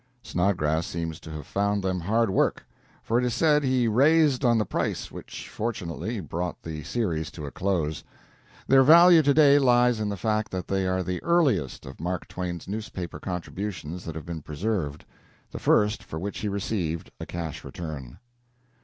Snodgrass seems to have found them hard work, for it is said he raised on the price, which, fortunately, brought the series to a close. Their value to day lies in the fact that they are the earliest of Mark Twain's newspaper contributions that have been preserved the first for which he received a cash return.